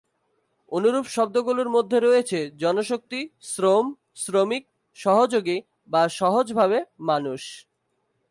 অনুরূপ শব্দগুলির মধ্যে রয়েছে জনশক্তি, শ্রম, শ্রমিক, সহযোগী বা সহজভাবে: মানুষ।